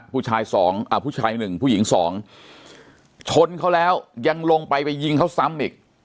ผู้ชาย๑ผู้หญิง๒ชนเขาแล้วยังลงไปไปยิงเขาซ้ำอีก